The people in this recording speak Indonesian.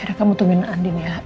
yaudah kamu tungguin andin ya